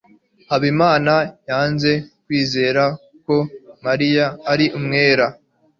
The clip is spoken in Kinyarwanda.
Habimana yanze kwizera ko Mariya ari umwere.